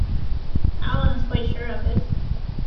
Allan is quite sure of it.